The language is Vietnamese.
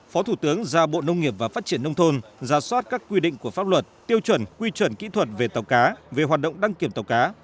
phó thủ tướng giao bộ nông nghiệp và phát triển nông thôn ra soát các quy định của pháp luật tiêu chuẩn quy chuẩn kỹ thuật về tàu cá về hoạt động đăng kiểm tàu cá